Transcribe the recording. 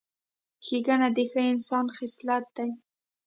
ښېګڼه د ښه انسان خصلت دی.